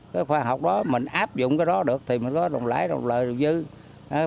cái khoa học đó mình áp dụng cái đó được thì mình có đồng lãi đồng lợi được dư